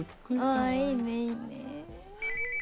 おいいねいいね